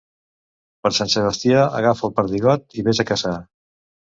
Per Sant Sebastià agafa el perdigot i ves a caçar.